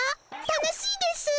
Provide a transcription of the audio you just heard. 楽しいですぅ。